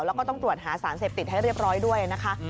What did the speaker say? แล้วก็ต้องตรวจหาสารเสพติดให้เรียบร้อยด้วยนะคะ